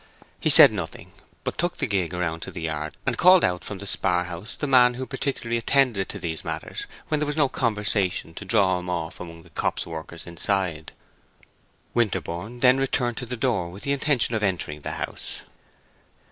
He said nothing, but took the gig round to the yard and called out from the spar house the man who particularly attended to these matters when there was no conversation to draw him off among the copse workers inside. Winterborne then returned to the door with the intention of entering the house.